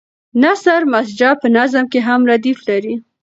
نثر مسجع په نظم کې هم ردیف لري.